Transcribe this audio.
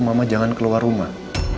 mama jangan keluar rumah